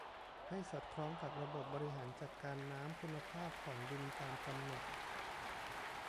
ให้สอดคล้องกับระบบบริหารจัดการน้ำคุณภาพของดินตามกำหนด